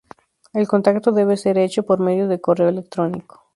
El contacto debe ser hecho por medio de correo electrónico.